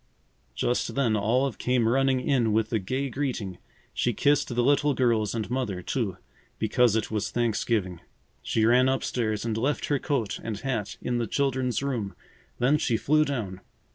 Just then Olive came running in with a gay greeting. She kissed the little girls and Mother, too, because it was Thanksgiving. She ran up stairs and left her coat and hat in the children's room. Then she flew down.